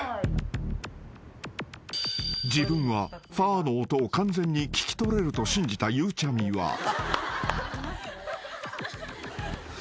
［自分は「ファ」の音を完全に聞き取れると信じたゆうちゃみは］